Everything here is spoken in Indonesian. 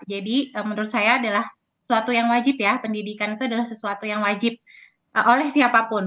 jadi menurut saya adalah sesuatu yang wajib ya pendidikan itu adalah sesuatu yang wajib oleh siapapun